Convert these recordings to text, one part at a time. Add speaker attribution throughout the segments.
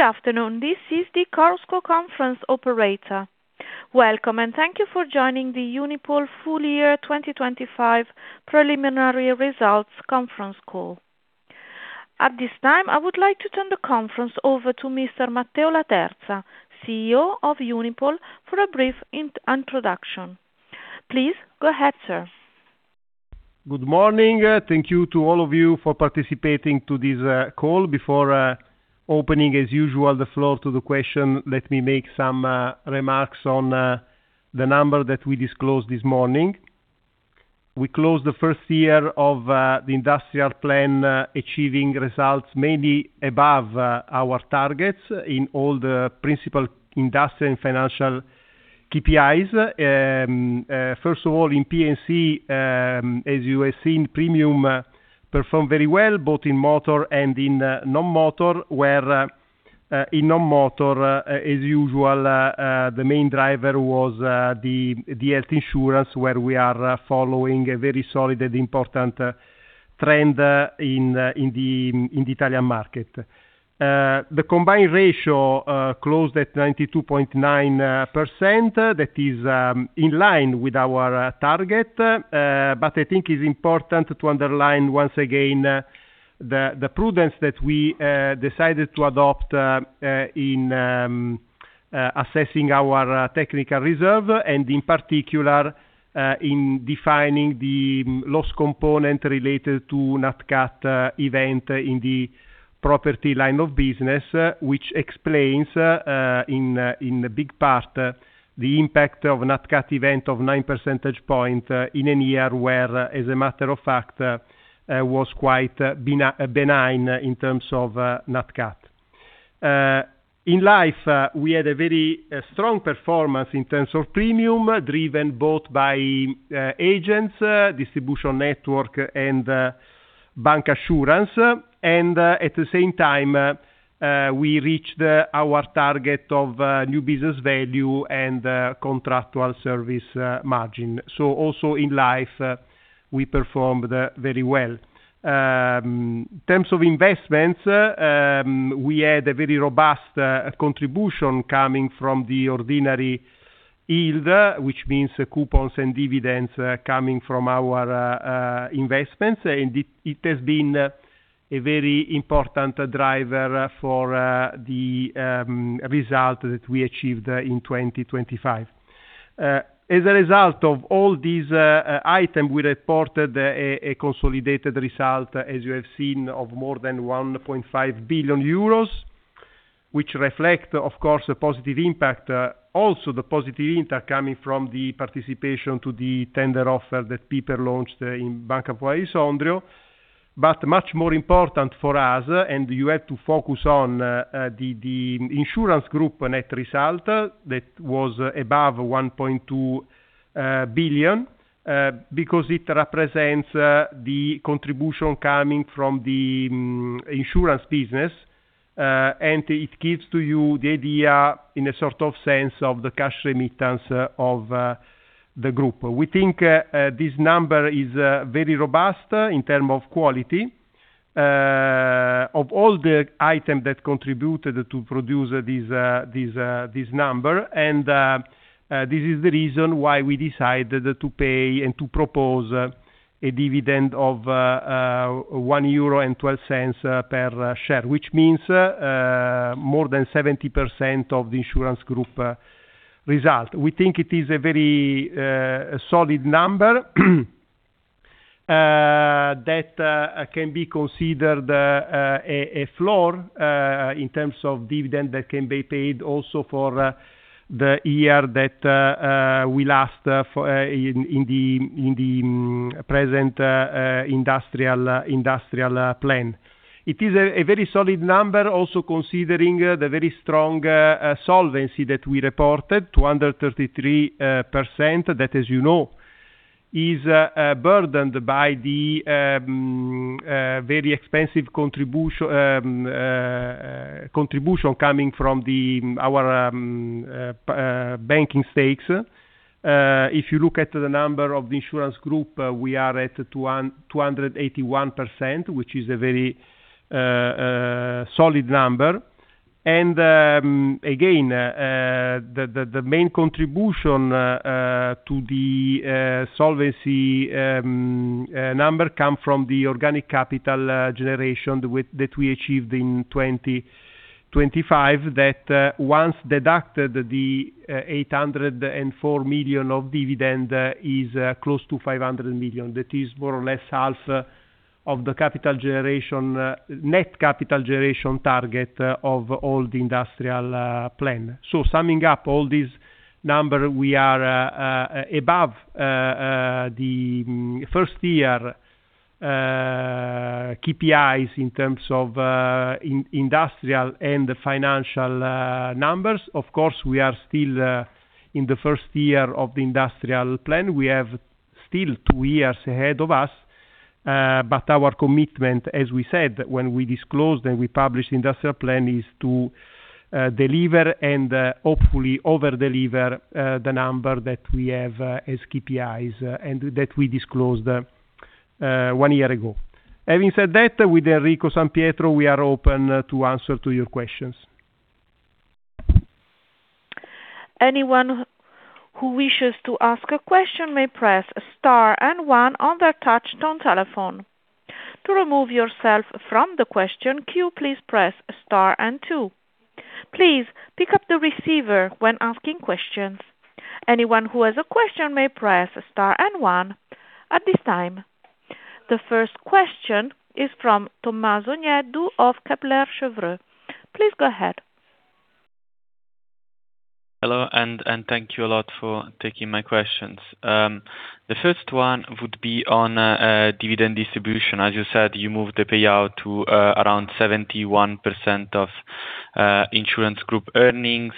Speaker 1: Good afternoon, this is the Chorus Call conference operator. Welcome, and thank you for joining the Unipol Full Year 2025 Preliminary Results conference call. At this time, I would like to turn the conference over to Mr. Matteo Laterza, CEO of Unipol, for a brief introduction. Please go ahead, sir.
Speaker 2: Good morning. Thank you to all of you for participating to this call. Before opening, as usual, the floor to the question, let me make some remarks on the number that we disclosed this morning. We closed the first year of the industrial plan, achieving results mainly above our targets in all the principal industrial and financial KPIs. First of all, in P&C, as you have seen, premium performed very well, both in motor and in non-motor, where, in non-motor, as usual, the main driver was the health insurance, where we are following a very solid and important trend in the Italian market. The combined ratio closed at 92.9%. That is in line with our target, but I think it's important to underline once again the prudence that we decided to adopt in assessing our technical reserve and in particular in defining the loss component related to NatCat event in the property line of business, which explains in the big part the impact of NatCat event of 9 percentage point in a year where, as a matter of fact, was quite benign in terms of NatCat. In life, we had a very strong performance in terms of premium, driven both by agents distribution network and bancassurance. At the same time, we reached our target of new business value and contractual service margin. So also in life, we performed very well. In terms of investments, we had a very robust contribution coming from the ordinary yield, which means coupons and dividends coming from our investments, and it has been a very important driver for the result that we achieved in 2025. As a result of all these item, we reported a consolidated result, as you have seen, of more than 1.5 billion euros, which reflect, of course, a positive impact also the positive impact coming from the participation to the tender offer that BPER launched in Banca Popolare di Sondrio. But much more important for us, and you have to focus on the insurance group net result that was above 1.2 billion, because it represents the contribution coming from the insurance business, and it gives to you the idea in a sort of sense of the cash remittance of the group. We think this number is very robust in term of quality of all the items that contributed to produce this number. And this is the reason why we decided to pay and to propose a dividend of 1.12 euro per share, which means more than 70% of the insurance group result. We think it is a very solid number that can be considered a floor in terms of dividend that can be paid also for the year that will last for in the present industrial plan. It is a very solid number, also considering the very strong solvency that we reported, 233%. That, as you know, is burdened by the very expensive contribution coming from our banking stakes. If you look at the number of the insurance group, we are at 281%, which is a very solid number. Again, the main contribution to the solvency number comes from the organic capital generation with that we achieved in 2025, that once deducted the 804 million of dividend is close to 500 million. That is more or less half of the capital generation net capital generation target of all the industrial plan. So summing up all these numbers, we are above the first year KPIs in terms of industrial and the financial numbers. Of course, we are still in the first year of the industrial plan. We have still two years ahead of us, but our commitment, as we said, when we disclosed and we published the industrial plan, is to deliver and hopefully over-deliver the number that we have as KPIs and that we disclosed one year ago. Having said that, with Enrico San Pietro, we are open to answer to your questions.
Speaker 1: Anyone who wishes to ask a question may press Star and One on their touchtone telephone. To remove yourself from the question queue, please press Star and Two. Please pick up the receiver when asking questions. Anyone who has a question may press Star and One. At this time, the first question is from Tommaso Nieddu of Kepler Cheuvreux. Please go ahead.
Speaker 3: Hello, and thank you a lot for taking my questions. The first one would be on dividend distribution. As you said, you moved the payout to around 71% of insurance group earnings,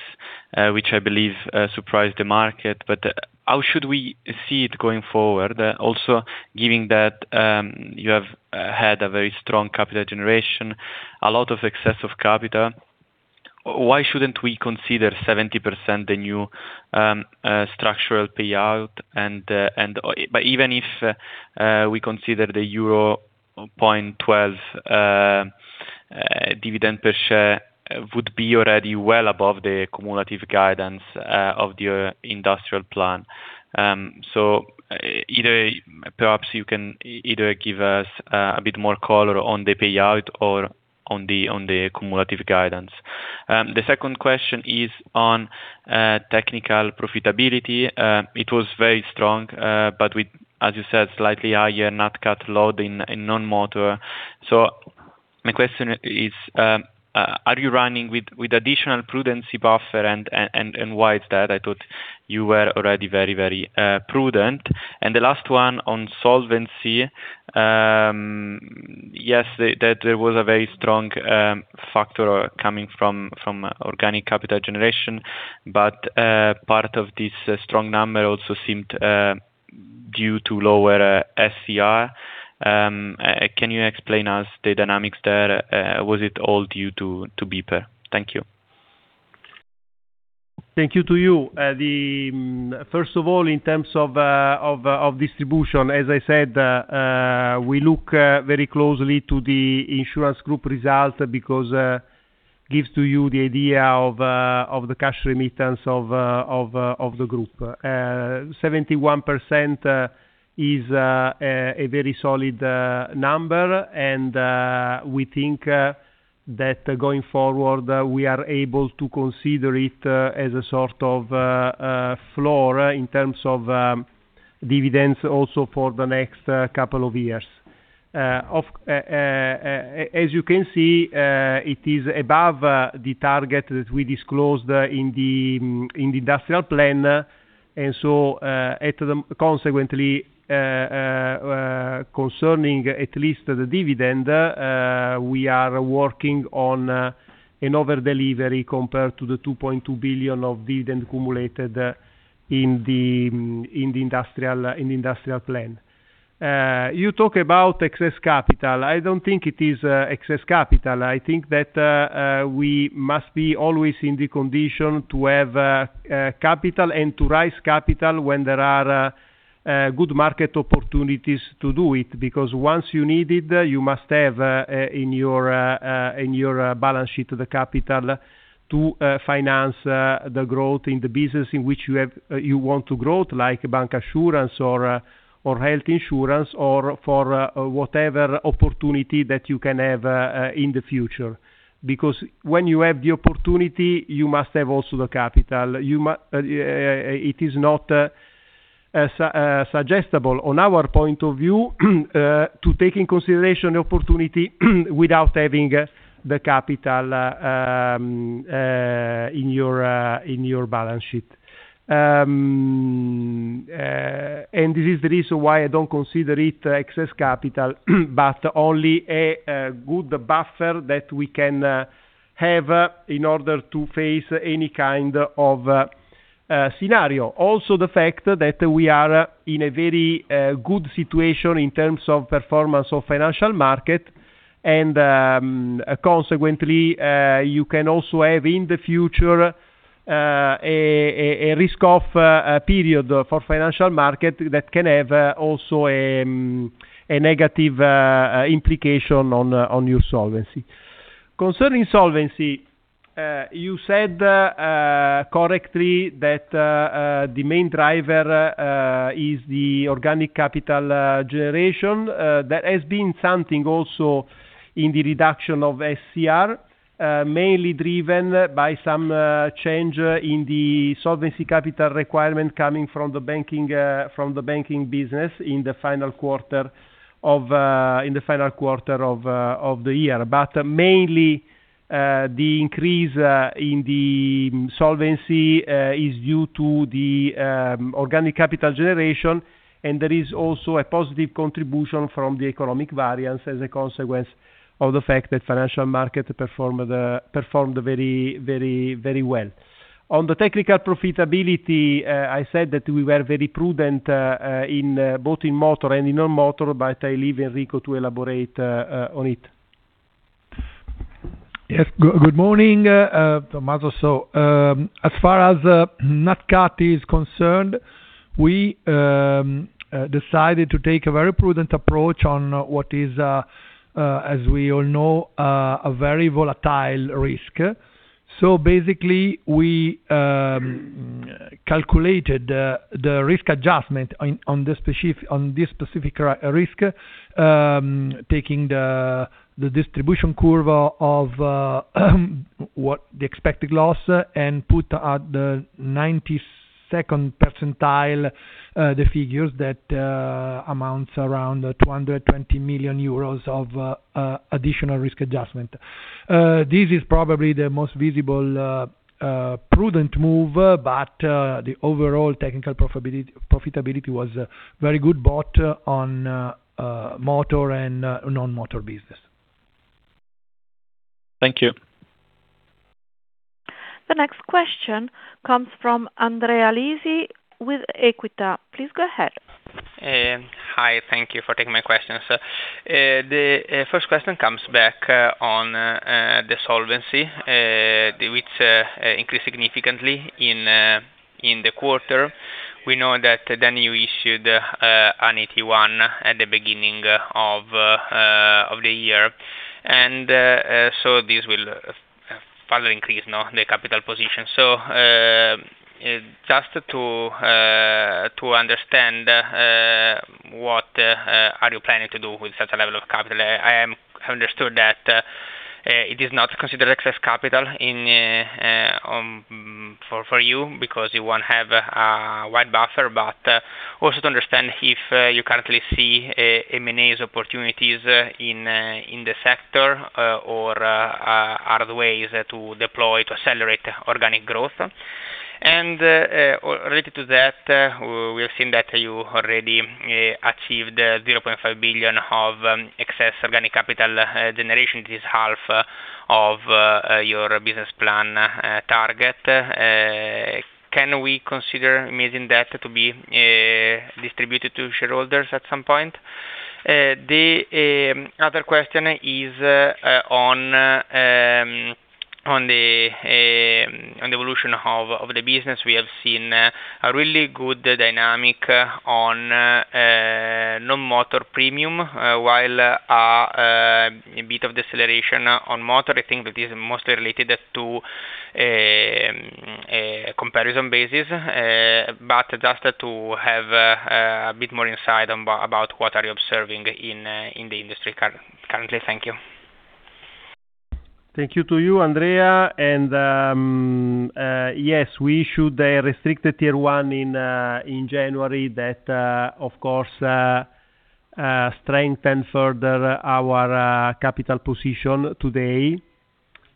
Speaker 3: which I believe surprised the market. But how should we see it going forward, also giving that you have had a very strong capital generation, a lot of excess of capital? Why shouldn't we consider 70% the new structural payout, but even if we consider the euro 0.12 dividend per share would be already well above the cumulative guidance of your industrial plan. So either perhaps you can give us a bit more color on the payout or on the cumulative guidance. The second question is on technical profitability. It was very strong, but with, as you said, slightly higher NatCat load in non-motor. So my question is, are you running with additional prudence buffer and why is that? I thought you were already very, very prudent. And the last one on solvency. Yes, that there was a very strong factor coming from organic capital generation, but part of this strong number also seemed due to lower SCR. Can you explain us the dynamics there? Was it all due to BPER? Thank you.
Speaker 2: Thank you to you. The first of all, in terms of, of distribution, as I said, we look very closely to the insurance group result, because gives to you the idea of, of the cash remittance of, of the group. Seventy-one percent is a very solid number, and, we think, that going forward, we are able to consider it, as a sort of, floor in terms of, dividends also for the next couple of years. Of, as you can see, it is above, the target that we disclosed in the, in the industrial plan. So, consequently, concerning at least the dividend, we are working on an over delivery compared to the 2.2 billion of dividend accumulated in the, in the industrial, in the industrial plan. You talk about excess capital. I don't think it is excess capital. I think that we must be always in the condition to have capital and to raise capital when there are good market opportunities to do it. Because once you need it, you must have in your, in your balance sheet, the capital to finance the growth in the business in which you have, you want to growth, like bancassurance or, or health insurance, or for whatever opportunity that you can have in the future. Because when you have the opportunity, you must have also the capital. You must, it is not suggestible on our point of view, to take in consideration the opportunity, without having the capital, in your, in your balance sheet. And this is the reason why I don't consider it excess capital, but only a good buffer that we can have, in order to face any kind of scenario. Also, the fact that we are in a very good situation in terms of performance of financial market, and consequently, you can also have in the future, a risk-off period for financial market that can have also a negative implication on, on your solvency. Concerning solvency, you said correctly that the main driver is the organic capital generation. There has been something also in the reduction of SCR, mainly driven by some change in the solvency capital requirement coming from the banking business in the final quarter of the year. But mainly, the increase in the solvency is due to the organic capital generation, and there is also a positive contribution from the economic variance as a consequence of the fact that financial markets performed very, very, very well. On the technical profitability, I said that we were very prudent in both motor and non-motor, but I leave Enrico to elaborate on it.
Speaker 4: Yes, good morning, Tommaso as far as NatCat is concerned, we decided to take a very prudent approach on what is, as we all know, a very volatile risk. So basically, we calculated the risk adjustment on this specific risk, taking the distribution curve of what the expected loss, and put at the 92nd percentile the figures that amounts around 220 million euros of additional risk adjustment. This is probably the most visible prudent move, but the overall technical profitability was very good, both on motor and non-motor business.
Speaker 3: Thank you.
Speaker 1: The next question comes from Andrea Lisi with Equita. Please go ahead.
Speaker 5: Hi, thank you for taking my questions. The first question comes back on the solvency, which increased significantly in the quarter. We know that then you issued an 81 at the beginning of the year, and so this will further increase, no, the capital position. So, just to understand what are you planning to do with such a level of capital? I am understood that it is not considered excess capital in for you because you won't have wide buffer, but also to understand if you currently see M&As opportunities in the sector, or are there ways to deploy to accelerate organic growth? Related to that, we have seen that you already achieved 0.5 billion of excess organic capital generation. It is half of your business plan target. Can we consider this margin to be distributed to shareholders at some point? The other question is on the evolution of the business. We have seen a really good dynamic on non-motor premium, while a bit of deceleration on motor. I think that is mostly related to comparison basis, but just to have a bit more insight on about what are you observing in the industry currently. Thank you.
Speaker 2: Thank you to you, Andrea. Yes, we issued a Restricted Tier 1 in January that, of course, strengthened further our capital position today.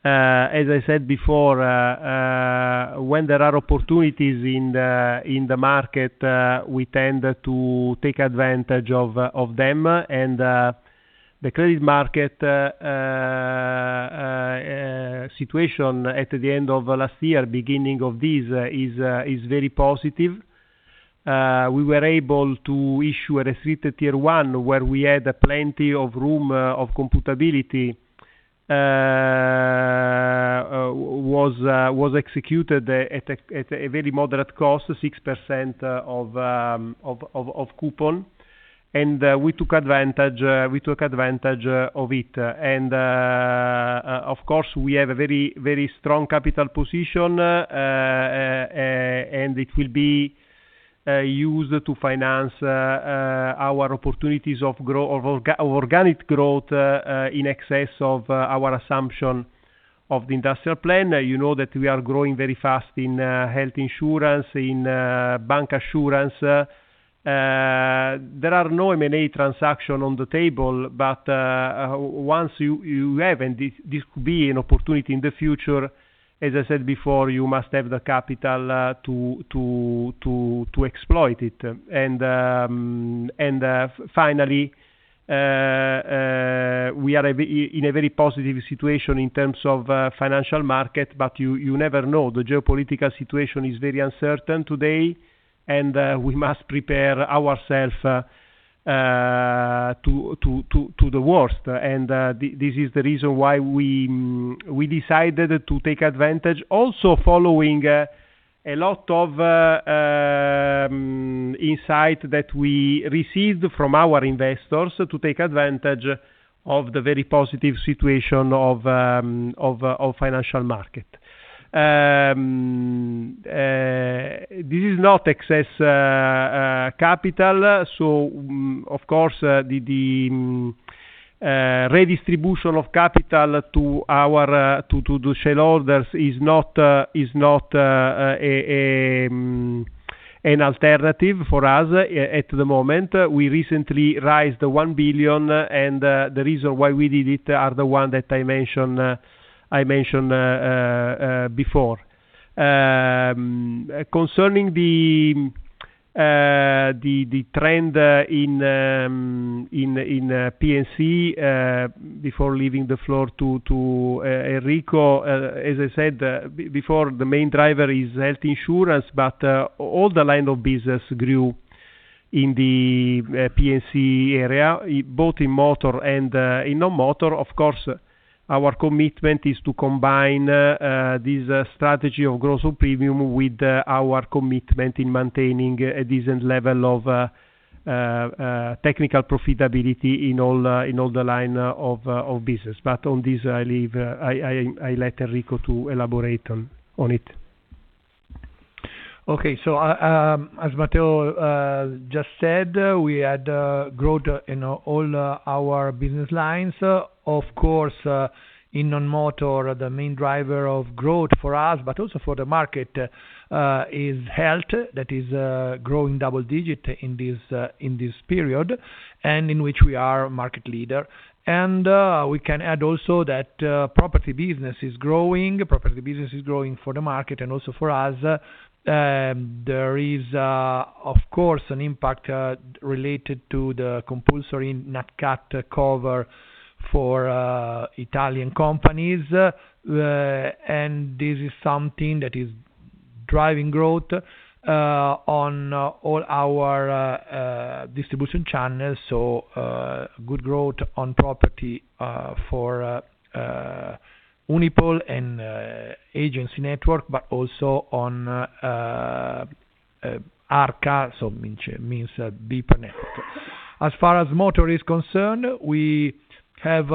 Speaker 2: As I said before, when there are opportunities in the market, we tend to take advantage of them, and the credit market situation at the end of last year, beginning of this, is very positive. We were able to issue a Restricted Tier 1, where we had plenty of room of eligibility, was executed at a very moderate cost, 6% of coupon, and we took advantage, we took advantage of it. And, of course, we have a very, very strong capital position, and it will be used to finance our opportunities of organic growth, in excess of our assumption of the industrial plan. You know that we are growing very fast in health insurance, in bancassurance. There are no M&A transaction on the table, but once you have, and this could be an opportunity in the future, as I said before, you must have the capital to exploit it. And, finally, we are in a very positive situation in terms of financial market, but you never know. The geopolitical situation is very uncertain today, and we must prepare ourselves to the worst. This is the reason why we decided to take advantage, also following a lot of insight that we received from our investors to take advantage of the very positive situation of financial market. This is not excess capital, so of course the redistribution of capital to our shareholders is not an alternative for us at the moment. We recently raised 1 billion, and the reason why we did it are the one that I mentioned before. Concerning the trend in P&C, before leaving the floor to Enrico, as I said before, the main driver is health insurance, but all the lines of business grew in the P&C area, both in motor and in non-motor. Of course, our commitment is to combine this strategy of growth in premiums with our commitment in maintaining a decent level of technical profitability in all the lines of business. But on this, I leave it to Enrico to elaborate on it.
Speaker 4: Okay. So, as Matteo just said, we had growth in all our business lines. Of course, in non-motor, the main driver of growth for us, but also for the market, is health. That is growing double digit in this period, and in which we are market leader. And we can add also that property business is growing. Property business is growing for the market and also for us. There is, of course, an impact related to the compulsory NatCat load in non-motor cover for Italian companies, and this is something that is driving growth on all our distribution channels. So, good growth on property for Unipol and agency network, but also on Arca. So means deeper network. As far as motor is concerned, we have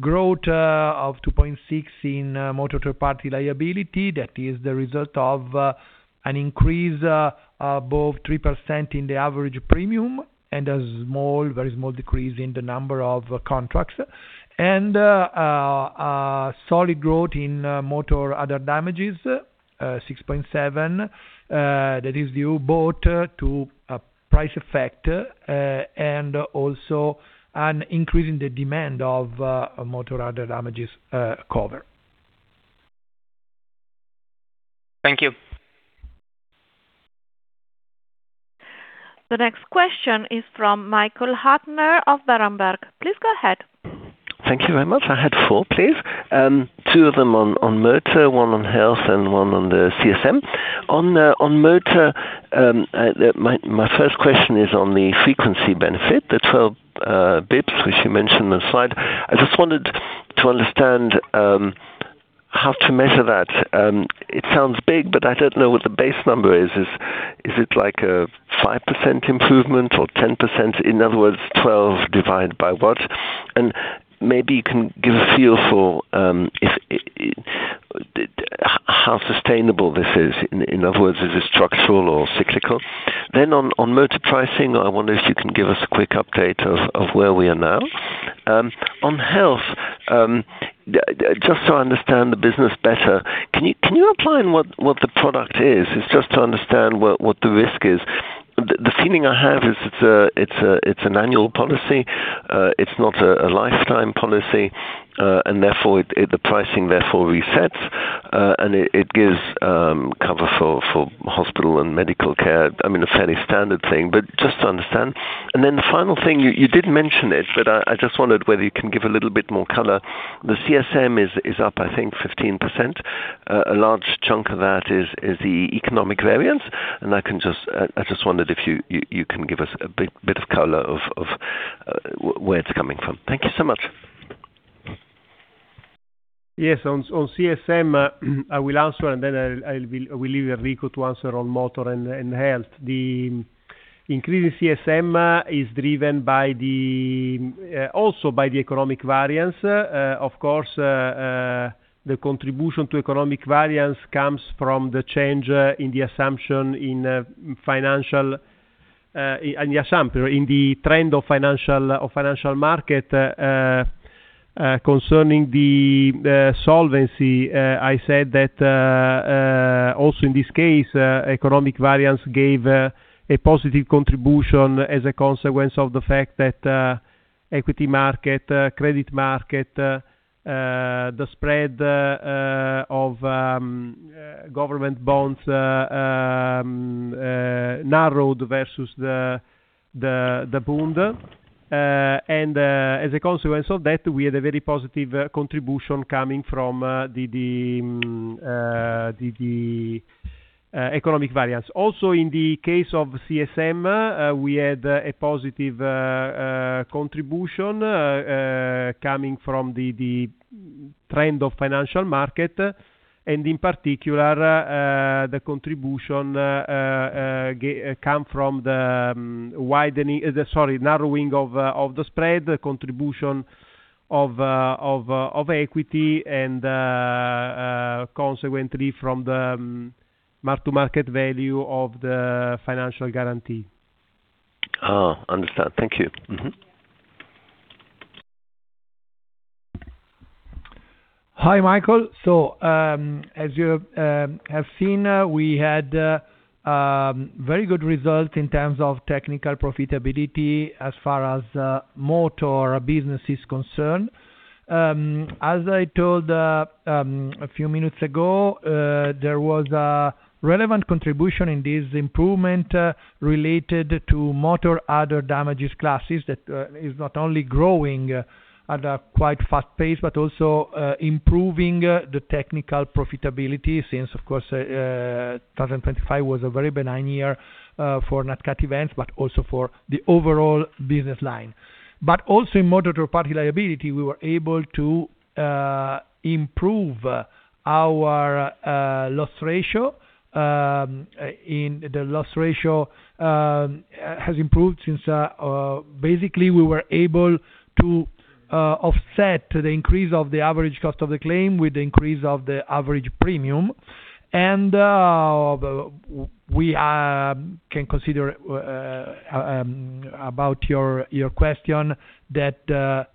Speaker 4: growth of 2.6 in motor third-party liability. That is the result of an increase above 3% in the average premium and a small, very small decrease in the number of contracts. And a solid growth in motor other damages 6.7. That is due both to a price effect and also an increase in the demand of motor other damages cover.
Speaker 5: Thank you.
Speaker 1: The next question is from Michael Huttner of Berenberg. Please go ahead.
Speaker 6: Thank you very much. I had four, please. Two of them on motor, one on health and one on the CSM. On motor, my first question is on the frequency benefit, the 12 bps, which you mentioned on the slide. I just wanted to understand how to measure that. It sounds big, but I don't know what the base number is. Is it like a 5% improvement or 10%? In other words, 12 divided by what? And maybe you can give a feel for if how sustainable this is. In other words, is it structural or cyclical? Then on motor pricing, I wonder if you can give us a quick update of where we are now. On health, just so I understand the business better, can you outline what the product is? It's just to understand what the risk is. The feeling I have is it's an annual policy, it's not a lifetime policy, and therefore, the pricing therefore resets, and it gives cover for hospital and medical care. I mean, a fairly standard thing, but just to understand. And then the final thing, you did mention it, but I just wondered whether you can give a little bit more color. The CSM is up, I think, 15%. A large chunk of that is the economic variance, and I can just I just wondered if you can give us a bit of color of where it's coming from. Thank you so much.
Speaker 2: Yes. On CSM, I will answer, and then I'll leave Enrico to answer on motor and health. The increase in CSM is driven by also by the economic variance. Of course, the contribution to economic variance comes from the change in the assumption in financial, in the assumption, in the trend of financial, of financial market. Concerning the solvency, I said that also in this case, economic variance gave a positive contribution as a consequence of the fact that equity market, credit market, the spread of government bonds narrowed versus the Bund. And, as a consequence of that, we had a very positive contribution coming from the economic variance. Also, in the case of CSM, we had a positive contribution coming from the trend of financial market, and in particular, the contribution come from the widening, sorry, narrowing of the spread, the contribution of equity and consequently from the mark-to-market value of the financial guarantee.
Speaker 6: Oh, understand. Thank you. Mm-hmm.
Speaker 4: Hi, Michael. So, as you have seen, we had very good results in terms of technical profitability as far as motor business is concerned. As I told a few minutes ago, there was a relevant contribution in this improvement related to motor other damages classes that is not only growing at a quite fast pace, but also improving the technical profitability since, of course, 2025 was a very benign year for NatCat events, but also for the overall business line. But also in Motor Third-Party Liability, we were able to improve our loss ratio. And the loss ratio has improved since basically, we were able to offset the increase of the average cost of the claim with the increase of the average premium. We can consider about your question that the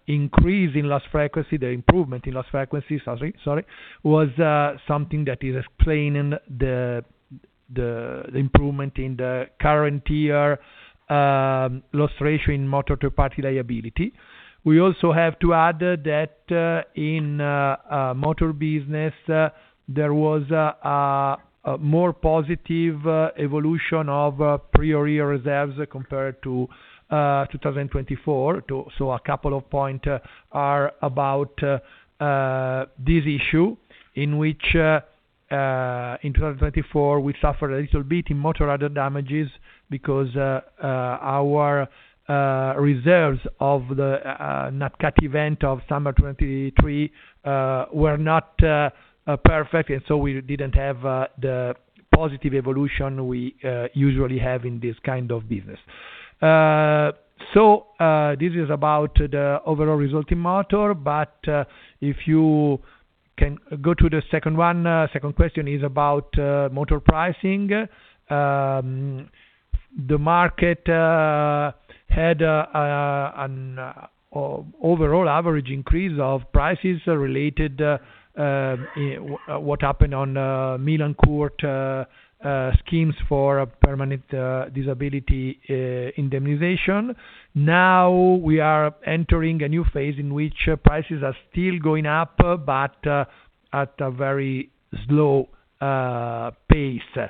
Speaker 4: improvement in loss frequency, sorry, sorry, was something that is explaining the improvement in the current year loss ratio in motor third party liability. We also have to add that in motor business there was a more positive evolution of prior year reserves compared to 2024. So a couple of point are about this issue, in which in 2024 we suffered a little bit in motor other damages because our reserves of the NatCat event of summer 2023 were not perfect, and so we didn't have the positive evolution we usually have in this kind of business. So, this is about the overall result in motor, but if you can go to the second one, second question is about motor pricing. The market had an overall average increase of prices related to what happened on Milan court schemes for a permanent disability indemnification. Now, we are entering a new phase in which prices are still going up, but at a very slow pace.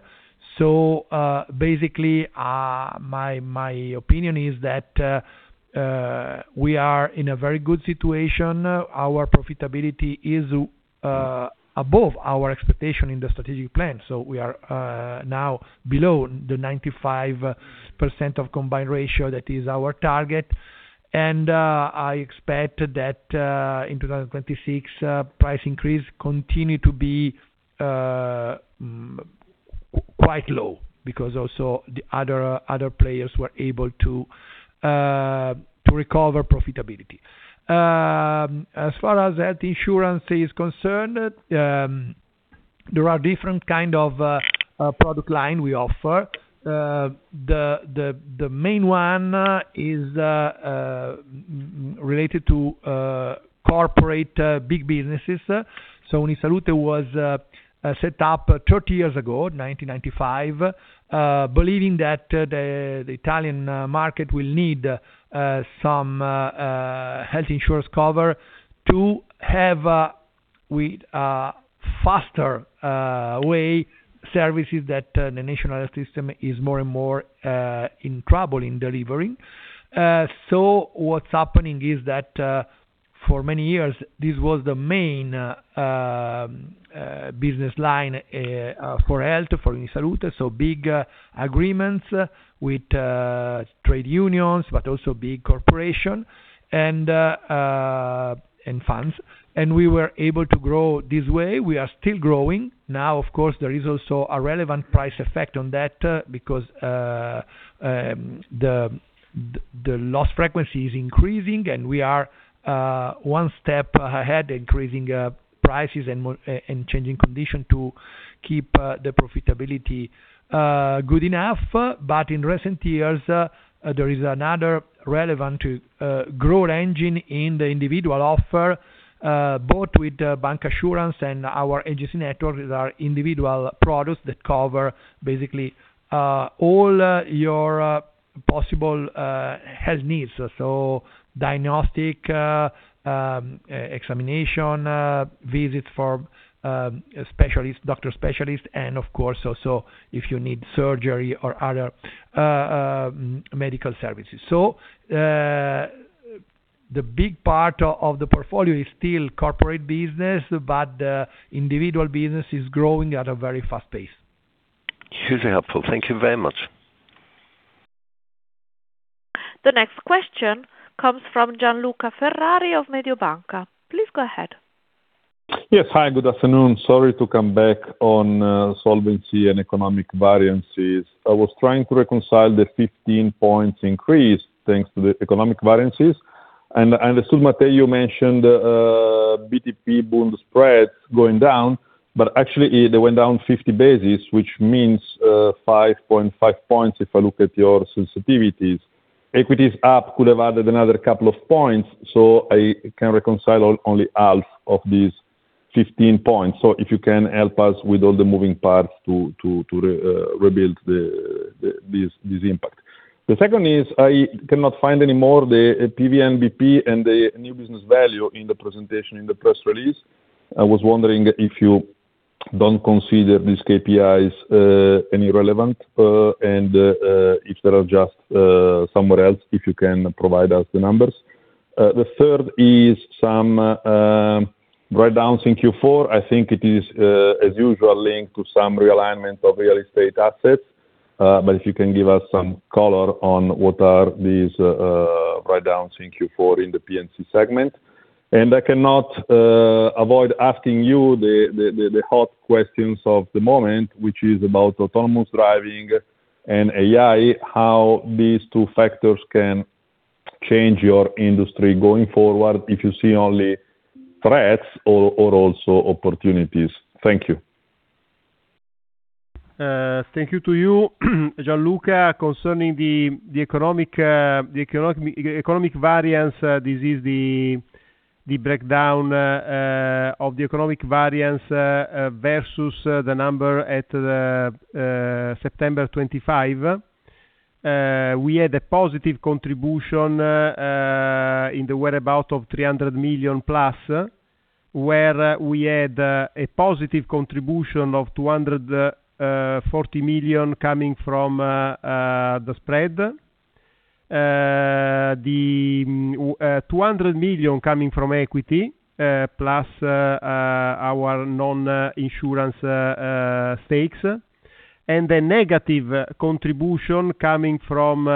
Speaker 4: So, basically, my opinion is that we are in a very good situation. Our profitability is above our expectation in the strategic plan, so we are now below the 95% Combined Ratio that is our target. I expect that in 2026 price increase continue to be quite low, because also the other players were able to recover profitability. As far as health insurance is concerned, there are different kind of product line we offer. The main one is related to corporate big businesses. So UniSalute was set up 30 years ago, 1995, believing that the Italian market will need some health insurance cover to have with faster way services that the national health system is more and more in trouble in delivering. So what's happening is that, for many years, this was the main business line for health, for UniSalute, so big agreements with trade unions, but also big corporation and funds. We were able to grow this way. We are still growing. Now, of course, there is also a relevant price effect on that, because the loss frequency is increasing, and we are one step ahead, increasing prices and changing condition to keep the profitability good enough. But in recent years, there is another relevant growth engine in the individual offer, both with the bank assurance and our agency network, with our individual products that cover, basically, all your possible health needs. So diagnostic examination visits for specialist doctor specialist, and of course, also if you need surgery or other medical services. So, the big part of the portfolio is still corporate business, but the individual business is growing at a very fast pace.
Speaker 6: It's helpful. Thank you very much.
Speaker 1: The next question comes from Gian Luca Ferrari of Mediobanca. Please go ahead.
Speaker 7: Yes. Hi, good afternoon. Sorry to come back on solvency and economic variances. I was trying to reconcile the 15 points increase, thanks to the economic variances, and as Matteo mentioned, BTP-Bund spread going down, but actually, it went down 50 basis points, which means 5.5 points if I look at your sensitivities. Equities up could have added another couple of points, so I can reconcile only half of these 15 points. So if you can help us with all the moving parts to rebuild this impact. The second is, I cannot find any more the PVNBP and the new business value in the presentation in the press release. I was wondering if you don't consider these KPIs any relevant, and if they are just somewhere else, if you can provide us the numbers. The third is some write-downs in Q4. I think it is as usual, linked to some realignment of real estate assets, but if you can give us some color on what are these write-downs in Q4 in the P&C segment. And I cannot avoid asking you the hard questions of the moment, which is about autonomous driving and AI, how these two factors can change your industry going forward, if you see only threats or, or also opportunities? Thank you.
Speaker 2: Thank you to you, Gianluca. Concerning the economic variance, this is the breakdown of the economic variance versus the number at September 25. We had a positive contribution in the whereabouts of 300 million plus, where we had a positive contribution of 240 million coming from the spread. The 200 million coming from equity plus our non-insurance stakes. And the negative contribution coming from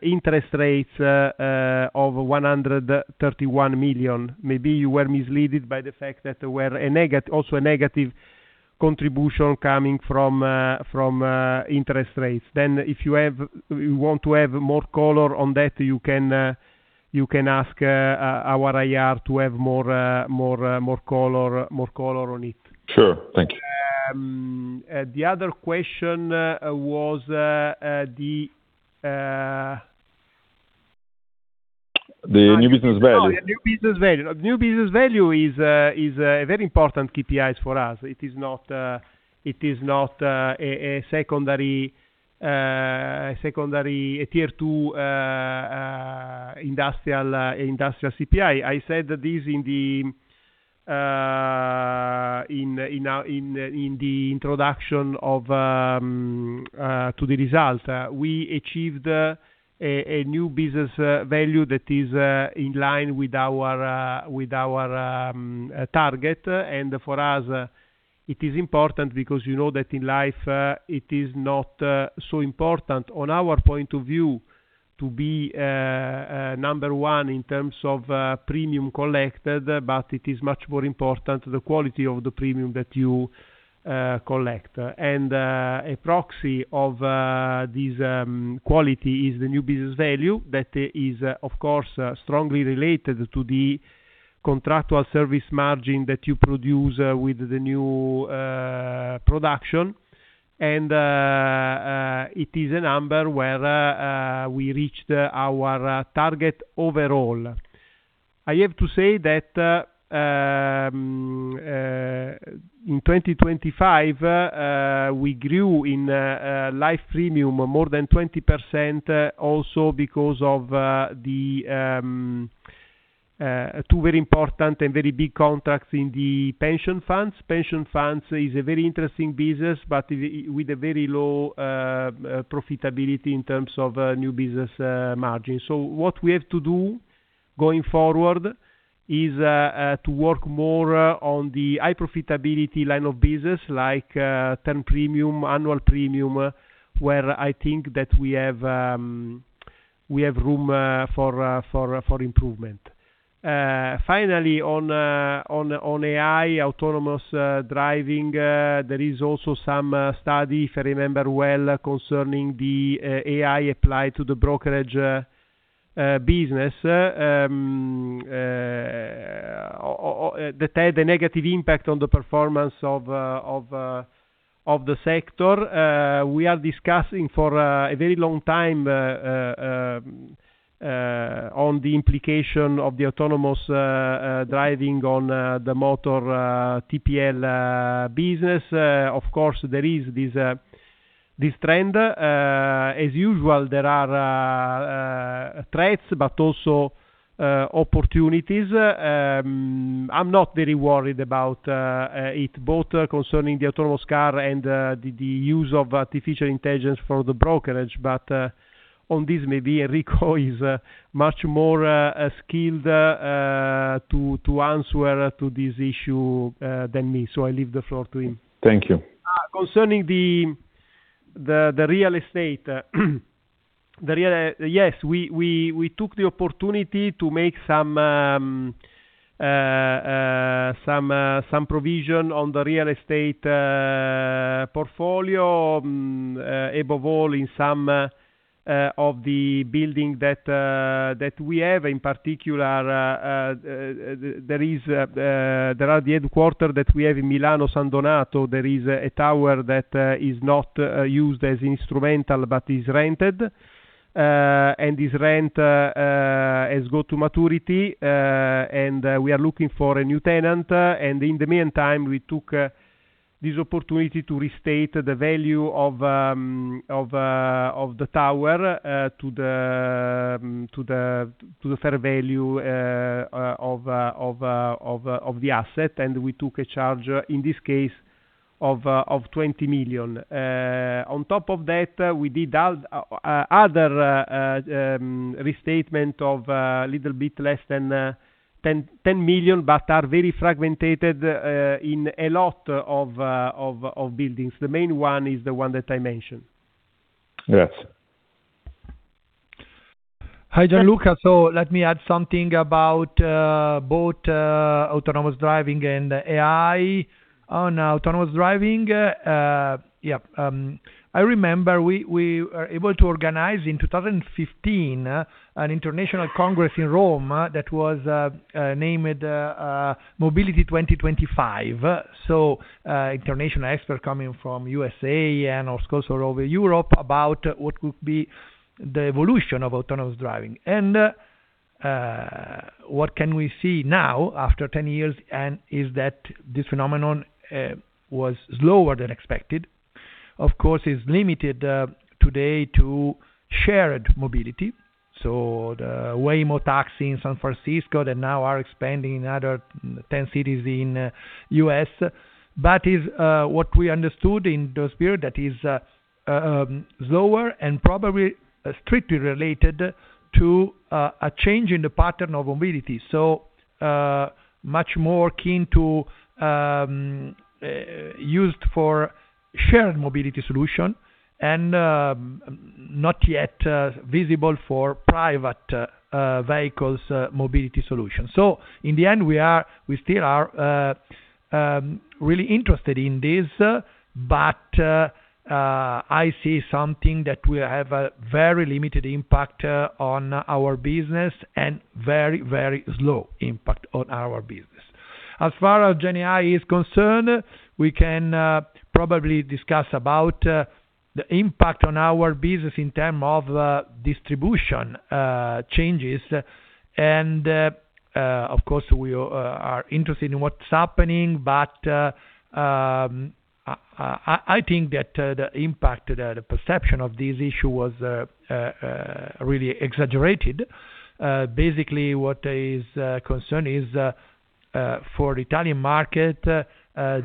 Speaker 2: interest rates of 131 million. Maybe you were misguided by the fact that there were a negative, also a negative contribution coming from interest rates. Then, if you have, you want to have more color on that, you can ask our IR to have more color on it.
Speaker 7: Sure. Thank you.
Speaker 2: The other question was the...
Speaker 7: The new business value.
Speaker 2: Oh, yeah, New Business Value. New Business Value is a very important KPIs for us. It is not a secondary, a tier two, industrial CPI. I said that this in the introduction to the results. We achieved a New Business Value that is in line with our target. And for us, it is important because you know that in life, it is not so important on our point of view, to be number one in terms of premium collected, but it is much more important the quality of the premium that you collect. A proxy of this quality is the new business value that is, of course, strongly related to the contractual service margin that you produce with the new production. It is a number where we reached our target overall. I have to say that in 2025 we grew in life premium more than 20%, also because of the 2 very important and very big contracts in the pension funds. Pension funds is a very interesting business, but with a very low profitability in terms of new business margin. So what we have to do going forward is to work more on the high profitability line of business, like term premium, annual premium, where I think that we have room for improvement. Finally, on AI, autonomous driving, there is also some study, if I remember well, concerning the AI applied to the brokerage business. The negative impact on the performance of the sector. We are discussing for a very long time on the implication of the autonomous driving on the motor TPL business. Of course, there is this trend. As usual, there are threats, but also opportunities. I'm not very worried about it, both concerning the autonomous car and the use of artificial intelligence for the brokerage. But on this, maybe Enrico is much more skilled to answer to this issue than me, so I leave the floor to him.
Speaker 7: Thank you.
Speaker 2: Concerning the real estate. The real estate... Yes, we took the opportunity to make some provision on the real estate portfolio, above all, in some of the buildings that we have. In particular, there are the headquarters that we have in San Donato Milanese. There is a tower that is not used as instrumental, but is rented, and this rent has got to maturity, and we are looking for a new tenant. In the meantime, we took this opportunity to restate the value of the tower to the fair value of the asset, and we took a charge in this case of 20 million. On top of that, we did other restatement of a little bit less than 10 million, but are very fragmented in a lot of buildings. The main one is the one that I mentioned.
Speaker 7: Yes.
Speaker 4: Hi, Gianluca. So let me add something about both autonomous driving and AI. On autonomous driving, yeah, I remember we were able to organize, in 2015, an international congress in Rome, that was named Mobility 2025. International experts coming from USA and also all over Europe, about what could be the evolution of autonomous driving. What can we see now after 10 years, and is that this phenomenon was slower than expected. Of course, it's limited today to shared mobility, so the Waymo taxi in San Francisco, that now are expanding in other 10 cities in U.S. But is what we understood in that period, that is slower and probably strictly related to a change in the pattern of mobility. So, much more keen to used for shared mobility solution and not yet visible for private vehicles mobility solutions. So in the end, we still are really interested in this, but I see something that will have a very limited impact on our business and very, very slow impact on our business. As far as Gen AI is concerned, we can probably discuss about the impact on our business in term of distribution changes. And of course, we are interested in what's happening, but I think that the impact, the perception of this issue was really exaggerated. Basically, what is concerned is for Italian market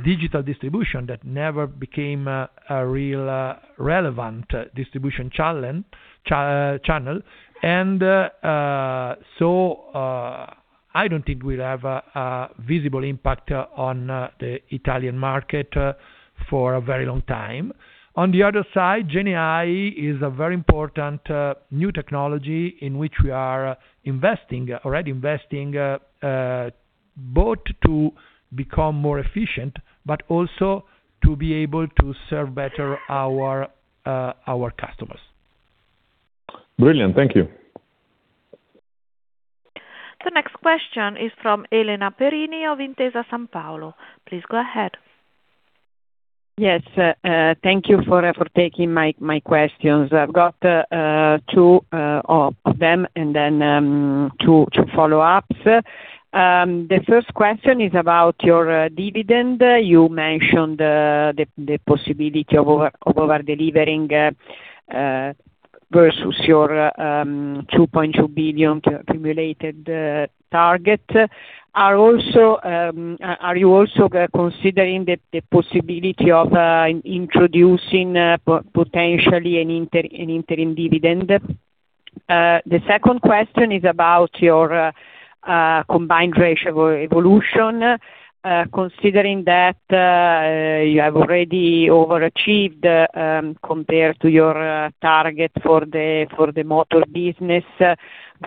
Speaker 4: digital distribution that never became a real relevant distribution channel. And so I don't think we'll have a visible impact on the Italian market for a very long time. On the other side, Gen AI is a very important new technology in which we are investing, already investing both to become more efficient, but also to be able to serve better our customers.
Speaker 7: Brilliant. Thank you.
Speaker 1: The next question is from Elena Perini of Intesa Sanpaolo. Please go ahead.
Speaker 8: Yes, thank you for taking my questions. I've got two of them, and then two follow-ups. The first question is about your dividend. You mentioned the possibility of over-delivering versus your 2.2 billion cumulated target. Are you also considering the possibility of potentially introducing an interim dividend? The second question is about your Combined Ratio evolution. Considering that you have already overachieved compared to your target for the motor business,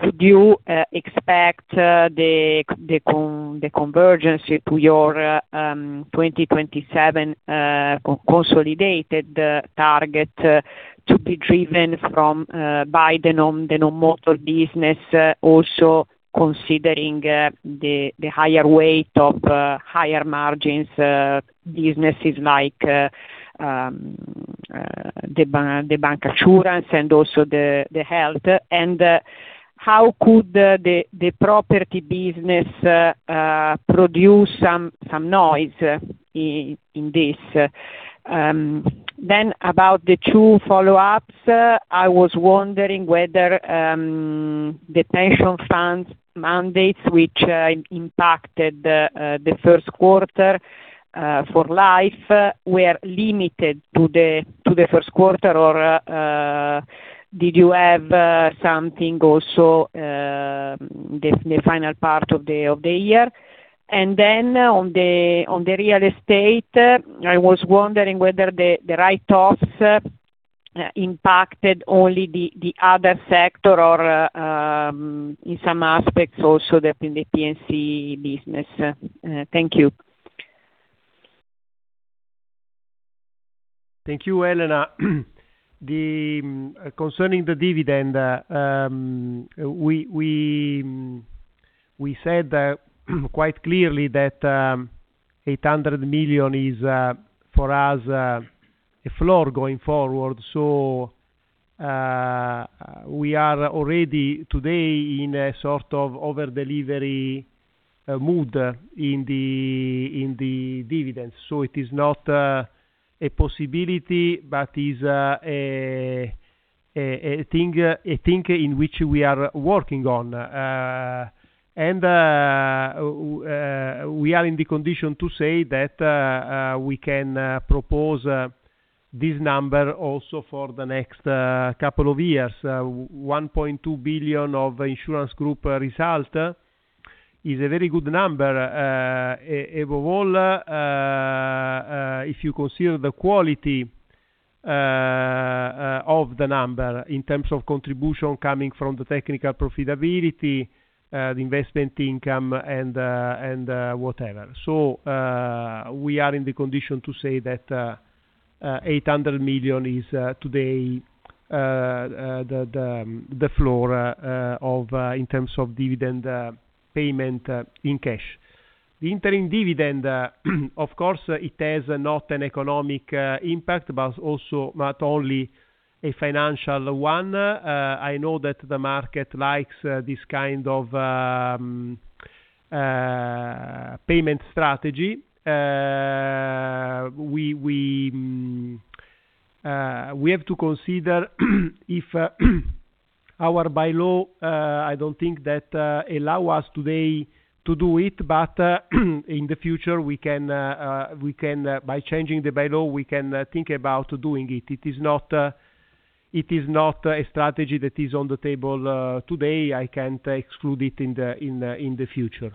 Speaker 8: would you expect the convergence to your 2027 consolidated target to be driven by the non-motor business, also considering the higher weight of higher margins businesses like the bancassurance and also the health? And how could the property business produce some noise in this? Then about the two follow-ups, I was wondering whether the pension funds mandates, which impacted the Q1 for Life, were limited to the Q1, or did you have something also the final part of the year? And then on the real estate, I was wondering whether the write-offs impacted only the other sector or in some aspects also the P&C business. Thank you.
Speaker 2: Thank you, Elena. Concerning the dividend, we said quite clearly that 800 million is for us a floor going forward. So, we are already today in a sort of over-delivery mood in the dividend. So it is not a possibility, but is a thing in which we are working on. And we are in the condition to say that we can propose this number also for the next couple of years. 1.2 billion of insurance group result is a very good number. Above all, if you consider the quality-... of the number, in terms of contribution coming from the technical profitability, the investment income, and and whatever. So, we are in the condition to say that, 800 million is, today, the, the, the floor, of, in terms of dividend, payment, in cash. The interim dividend, of course, it has not an economic, impact, but also not only a financial one. I know that the market likes, this kind of, payment strategy. We, we, we have to consider, if, our bylaw, I don't think that, allow us today to do it, but, in the future, we can, we can, by changing the bylaw, we can, think about doing it. It is not, it is not, a strategy that is on the table today. I can't exclude it in the future.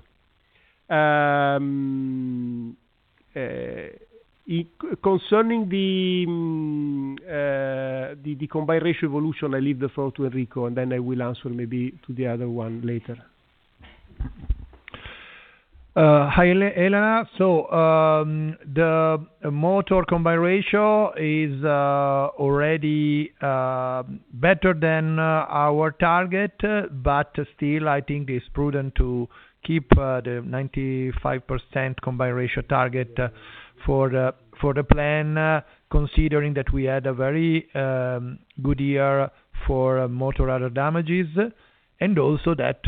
Speaker 2: Concerning the Combined Ratio evolution, I leave the floor to Enrico, and then I will answer maybe to the other one later.
Speaker 4: Hi, Elena. The motor combined ratio is already better than our target, but still, I think it's prudent to keep the 95% combined ratio target for the plan, considering that we had a very good year for motor other damages, and also that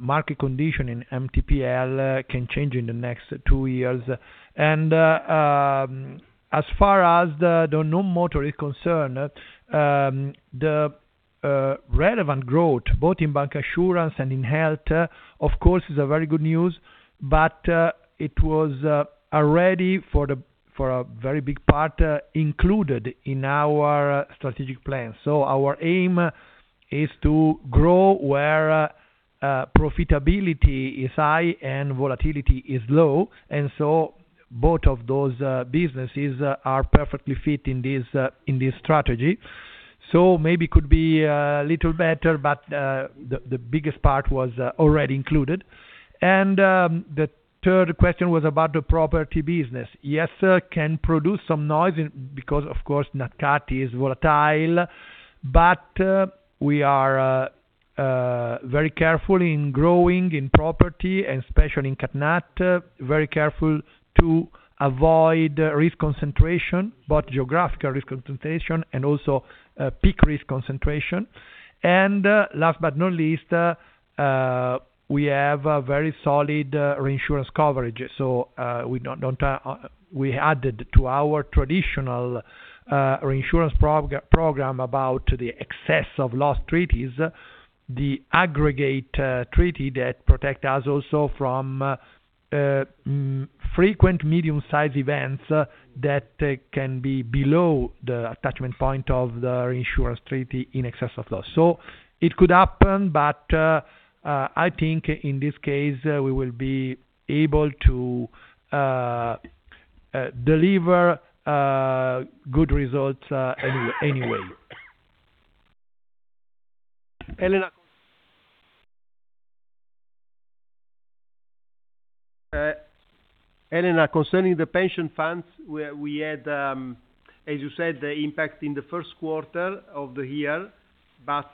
Speaker 4: market condition in MTPL can change in the next two years. As far as the non-motor is concerned, the relevant growth, both in bancassurance and in health, of course, is a very good news, but it was already for a very big part included in our strategic plan. Our aim is to grow where profitability is high and volatility is low, and so both of those businesses are perfectly fit in this strategy. So maybe could be a little better, but the biggest part was already included. And the third question was about the property business. Yes, it can produce some noise because, of course, NatCat is volatile, but we are very careful in growing in property and especially in Cat Nat. Very careful to avoid risk concentration, both geographical risk concentration and also peak risk concentration. And last but not least, we have a very solid reinsurance coverage, so we added to our traditional reinsurance program about the excess of loss treaties, the aggregate treaty that protect us also from frequent medium-sized events that can be below the attachment point of the reinsurance treaty in excess of loss. So it could happen, but, I think in this case, we will be able to deliver good results, anyway.
Speaker 2: Elena. Elena, concerning the pension funds, we had, as you said, the impact in the Q1 of the year, but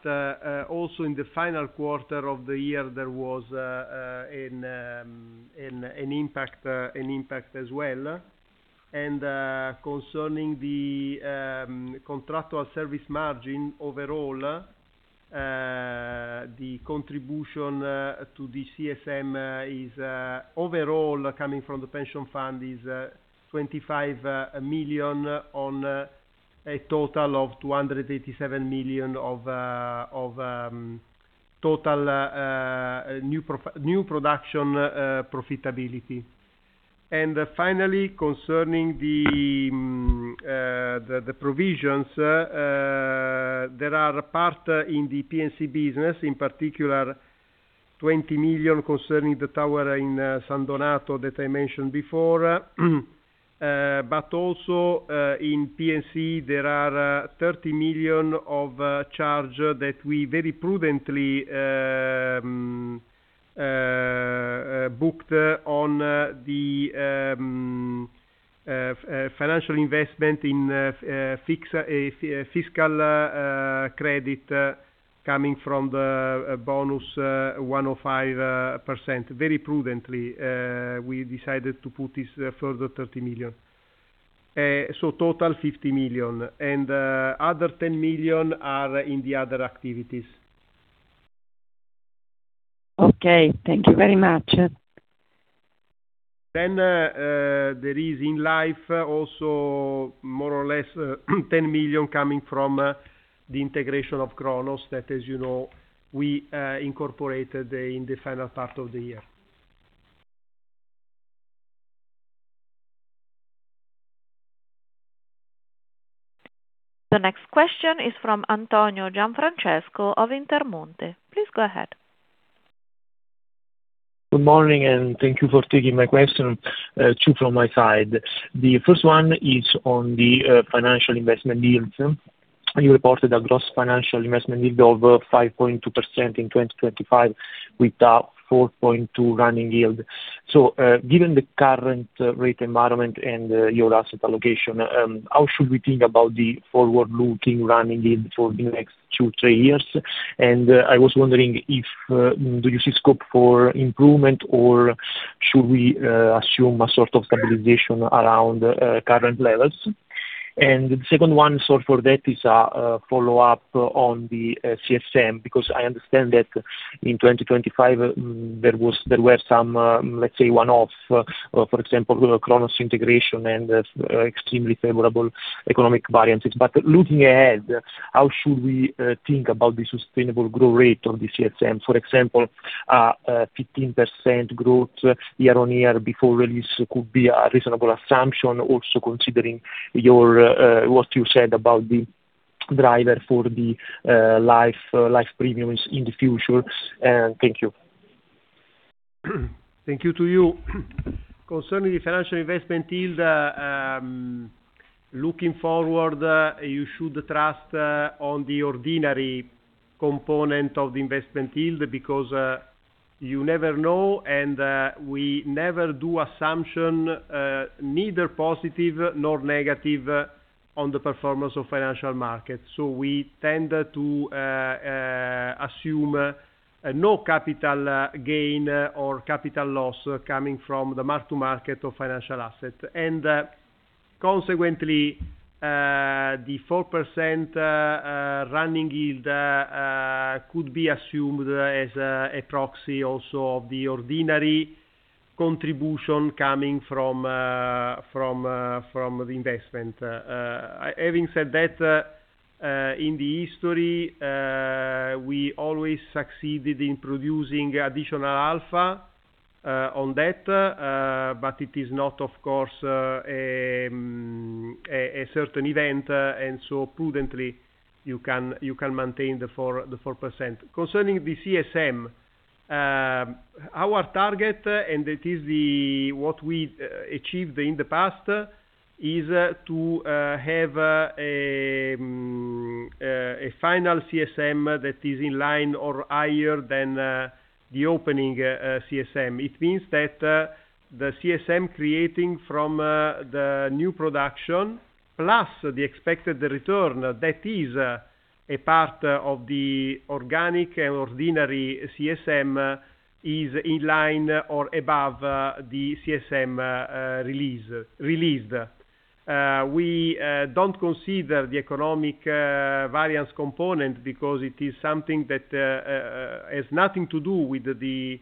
Speaker 2: also in the final quarter of the year, there was an impact as well. And concerning the contractual service margin, overall, the contribution to the CSM is overall coming from the pension fund is 25 million on a total of 287 million of total new production profitability. And finally, concerning the provisions, there are a part in the P&C business, in particular, 20 million concerning the tower in San Donato that I mentioned before. But also, in P&C, there are 30 million of charge that we very prudently booked on the financial investment in fiscal credit coming from the bonus 105%. Very prudently, we decided to put this further 30 million. So total 50 million, and other 10 million are in the other activities.
Speaker 8: Okay, thank you very much.
Speaker 2: There is in life also, more or less, 10 million coming from the integration of Cronos, that, as you know, we incorporated in the final part of the year.
Speaker 1: The next question is from Antonio Gianfrancesco of Intermonte. Please go ahead.
Speaker 9: Good morning, and thank you for taking my question. Two from my side. The first one is on the financial investment deals. You reported a gross financial investment yield of 5.2% in 2025, with a 4.2 running yield. So, given the current rate environment and your asset allocation, how should we think about the forward-looking running yield for the next 2-3 years? And I was wondering if do you see scope for improvement, or should we assume a sort of stabilization around current levels? And the second one, so for that, is a follow-up on the CSM, because I understand that in 2025, there was, there were some let's say, one-off, for example, Cronos integration and extremely favorable economic variances. But looking ahead, how should we think about the sustainable growth rate of the CSM? For example, a 15% growth year-on-year before release could be a reasonable assumption, also considering your what you said about the driver for the life premiums in the future. And thank you.
Speaker 2: Thank you to you. Concerning the financial investment yield, looking forward, you should trust on the ordinary component of the investment yield, because, you never know, and, we never do assumption, neither positive nor negative, on the performance of financial markets. So we tend to assume no capital gain or capital loss coming from the mark-to-market of financial assets. And, consequently, the 4% running yield could be assumed as a proxy also of the ordinary contribution coming from the investment. Having said that, in the history, we always succeeded in producing additional alpha on that, but it is not, of course, a certain event, and so prudently, you can maintain the 4%. Concerning the CSM, our target, and it is what we achieved in the past, is to have a final CSM that is in line or higher than the opening CSM. It means that the CSM creating from the new production, plus the expected return, that is a part of the organic and ordinary CSM, is in line or above the CSM released. We don't consider the economic variance component because it is something that has nothing to do with the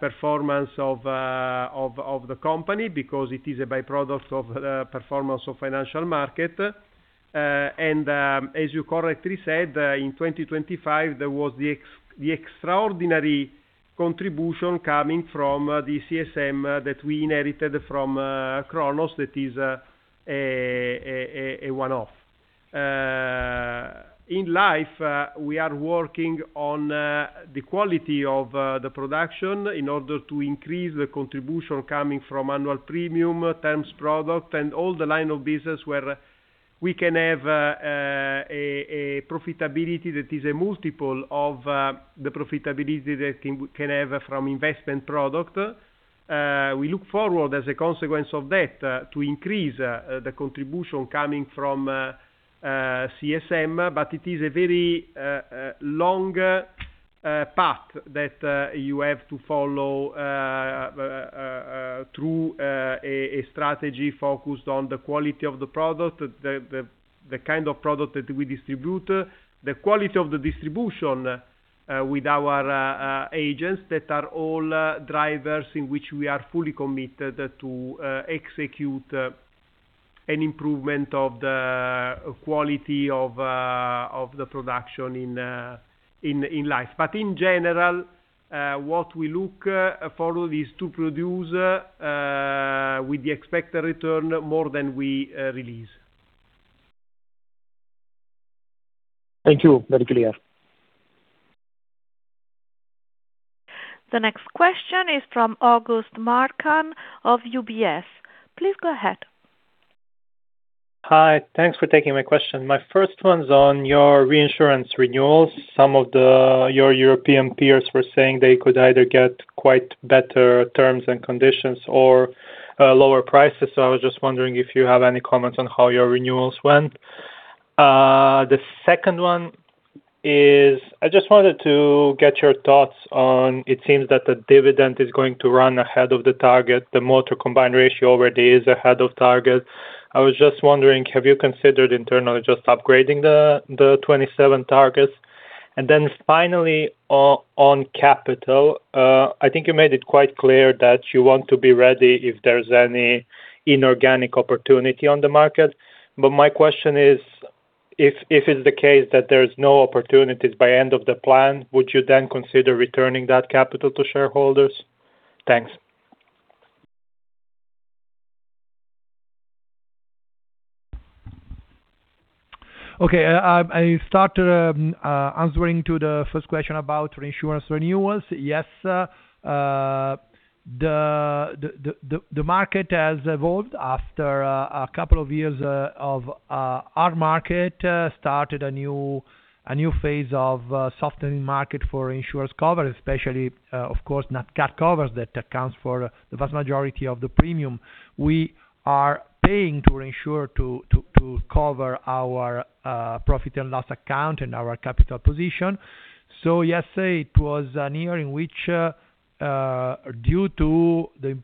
Speaker 2: performance of the company, because it is a by-product of performance of financial market. And, as you correctly said, in 2025, there was the extraordinary contribution coming from the CSM that we inherited from Cronos. That is a one-off. In life, we are working on the quality of the production in order to increase the contribution coming from annual premium terms, product, and all the line of business where we can have a profitability that is a multiple of the profitability that can have from investment product. We look forward, as a consequence of that, to increase the contribution coming from CSM, but it is a very long path that you have to follow through a strategy focused on the quality of the product, the kind of product that we distribute, the quality of the distribution with our agents, that are all drivers in which we are fully committed to execute an improvement of the quality of the production in life. But in general, what we look for is to produce, with the expected return, more than we release.
Speaker 9: Thank you. Very clear.
Speaker 1: The next question is from August Marčan of UBS. Please go ahead.
Speaker 10: Hi. Thanks for taking my question. My first one's on your reinsurance renewals. Some of your European peers were saying they could either get quite better terms and conditions or lower prices, so I was just wondering if you have any comments on how your renewals went. The second one is, I just wanted to get your thoughts on, it seems that the dividend is going to run ahead of the target. The motor combined ratio already is ahead of target. I was just wondering, have you considered internally just upgrading the 2027 targets? And then finally, on capital, I think you made it quite clear that you want to be ready if there's any inorganic opportunity on the market. My question is, if it's the case that there's no opportunities by end of the plan, would you then consider returning that capital to shareholders? Thanks.
Speaker 2: Okay, I start answering to the first question about reinsurance renewals. Yes, the market has evolved after a couple of years of our market started a new phase of softening market for insurance cover, especially, of course, net cat covers, that accounts for the vast majority of the premium we are paying to reinsure to cover our profit and loss account and our capital position. So yes, it was a year in which due to the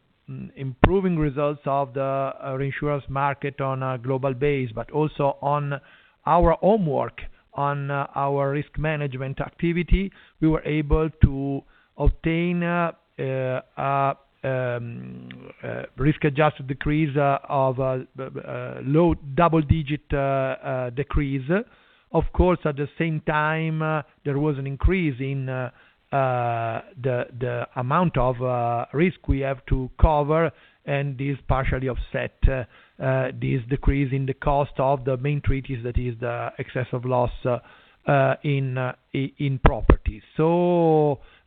Speaker 2: improving results of the reinsurance market on a global basis, but also on our home book, on our risk management activity, we were able to obtain a risk-adjusted decrease of low double-digit decrease. Of course, at the same time, there was an increase in the amount of risk we have to cover, and this partially offset this decrease in the cost of the main treaties, that is the excess of loss in property.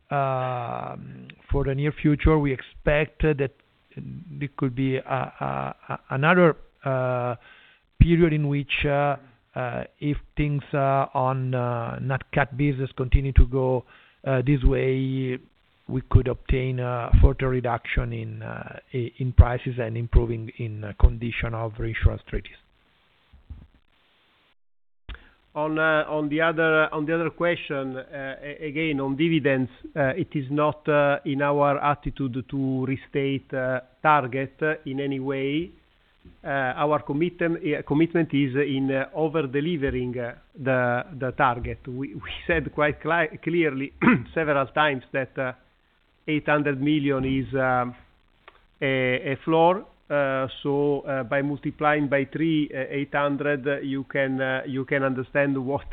Speaker 2: So, for the near future, we expect that there could be another period in which, if things on NatCat business continue to go this way, we could obtain a further reduction in prices and improving in condition of reinsurance treaties. On the other question, again, on dividends, it is not in our attitude to restate target in any way. Our commitment is in over-delivering the target. We said quite clearly, several times, that 800 million is a floor. So, by multiplying by three, 800, you can understand what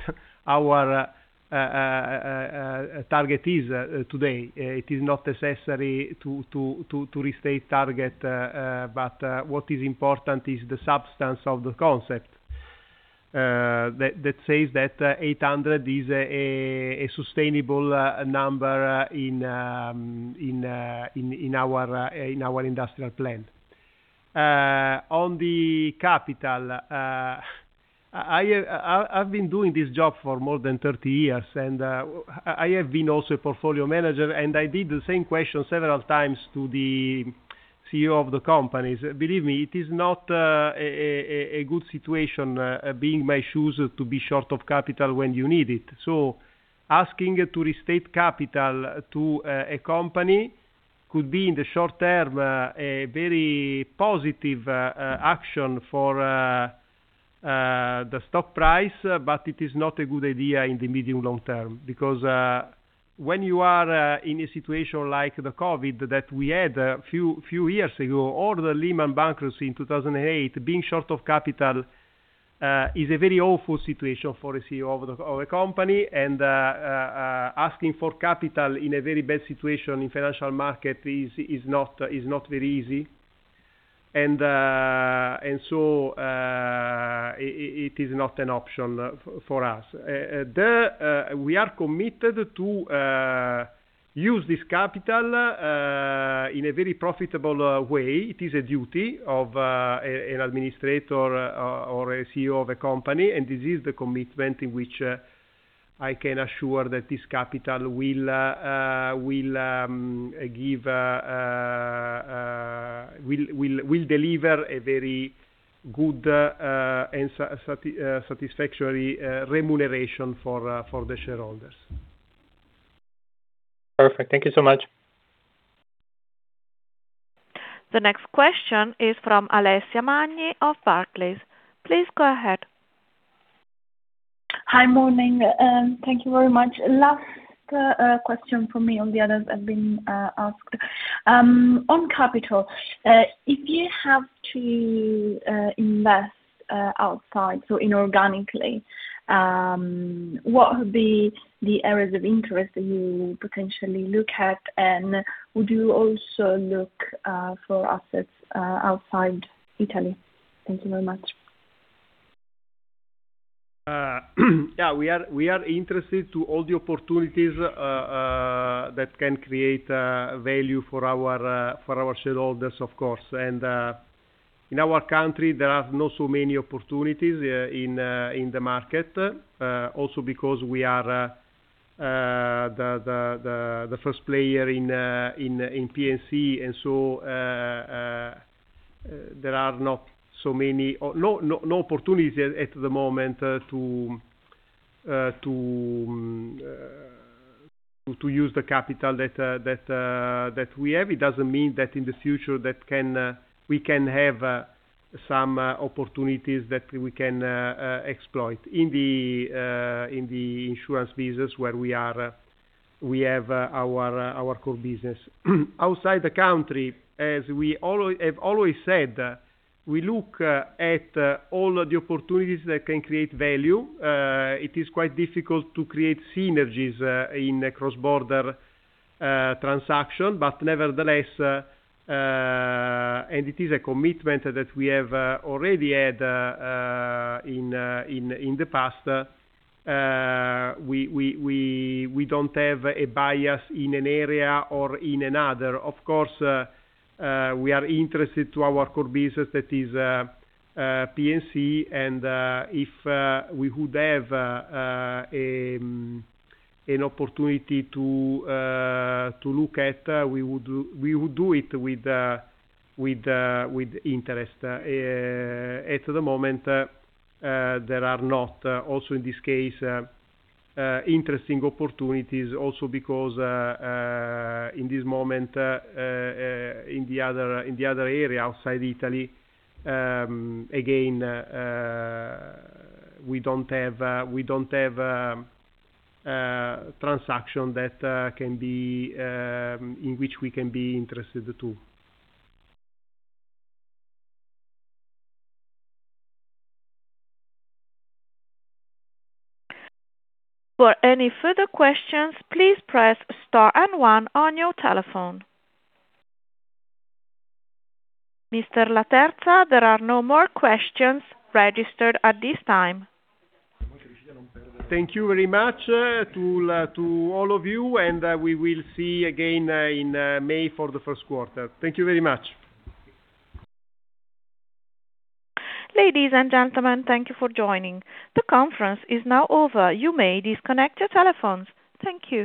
Speaker 2: our target is today. It is not necessary to restate target, but what is important is the substance of the concept that says that 800 is a sustainable number in our industrial plan. On the capital, I've been doing this job for more than 30 years, and I have been also a portfolio manager, and I did the same question several times to the CEO of the companies. Believe me, it is not a good situation being my shoes, to be short of capital when you need it. So asking to restate capital to a company could be, in the short term, a very positive action for the stock price, but it is not a good idea in the medium, long term. Because when you are in a situation like the COVID that we had a few years ago or the Lehman bankruptcy in 2008, being short of capital is a very awful situation for a CEO of the of a company, and asking for capital in a very bad situation in financial market is not very easy. And and so it is not an option for us. We are committed to use this capital in a very profitable way. It is a duty of an administrator or a CEO of a company, and this is the commitment in which I can assure that this capital will deliver a very good and satisfactory remuneration for the shareholders.
Speaker 10: Perfect. Thank you so much.
Speaker 1: The next question is from Alessia Magni of Barclays. Please go ahead.
Speaker 11: Hi, morning, thank you very much. Last question for me on the others have been asked. On capital, if you have to invest outside, so inorganically, what would be the areas of interest that you potentially look at? And would you also look for assets outside Italy? Thank you very much.
Speaker 2: Yeah, we are interested to all the opportunities that can create value for our shareholders, of course. And in our country, there are not so many opportunities in the market, also because we are the first player in P&C. And so there are no, no, no opportunities at the moment to use the capital that we have. It doesn't mean that in the future we can have some opportunities that we can exploit in the insurance business where we have our core business. Outside the country, as we always said, we look at all of the opportunities that can create value. It is quite difficult to create synergies in a cross-border transaction, but nevertheless, and it is a commitment that we have already had in the past. We don't have a bias in an area or in another. Of course, we are interested to our core business that is P&C, and if we would have an opportunity to look at, we would do it with interest. At the moment, there are not, also in this case, interesting opportunities also because, in this moment, in the other area outside Italy, again, we don't have transaction that can be in which we can be interested, too.
Speaker 1: For any further questions, please press star and one on your telephone. Mr. Laterza, there are no more questions registered at this time.
Speaker 2: Thank you very much, to all of you, and we will see you again in May for the Q1. Thank you very much.
Speaker 1: Ladies and gentlemen, thank you for joining. The conference is now over. You may disconnect your telephones. Thank you.